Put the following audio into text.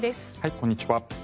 こんにちは。